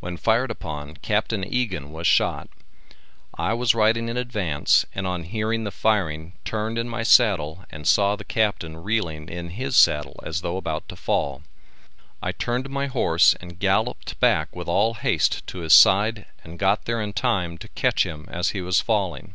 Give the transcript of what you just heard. When fired upon Capt. Egan was shot. I was riding in advance and on hearing the firing turned in my saddle and saw the Captain reeling in his saddle as though about to fall. I turned my horse and galloped back with all haste to his side and got there in time to catch him as he was falling.